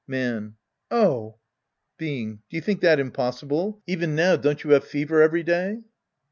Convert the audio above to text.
Man. Oh ! Being. Do you think that impossible? Even now don't you have fever every day